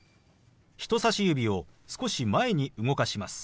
人さし指を少し前に動かします。